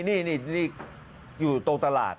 นี่อยู่ตรงตลาด